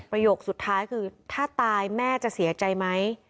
โยคสุดท้ายคือถ้าตายแม่จะเสียใจไหม